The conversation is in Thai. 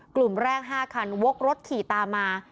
กลุ่มแรก๕คันวกรถขี่ตามมา